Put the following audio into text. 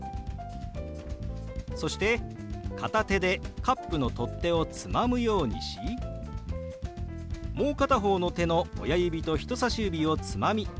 そして片手でカップの取っ手をつまむようにしもう片方の手の親指と人さし指をつまみかき混ぜるように動かします。